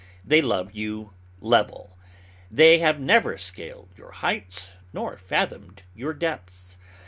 They love you level: they have never scaled your heights nor fathomed your depths.